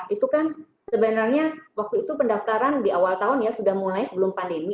itu kan sebenarnya waktu itu pendaftaran di awal tahun ya sudah mulai sebelum pandemi